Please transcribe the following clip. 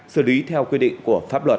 xử lý theo quy định của pháp luật